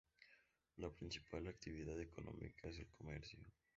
La principal actividad económica es el comercio.